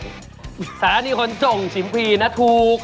ภาษาอันนี้ขนจ่งชิมพรีนะถูก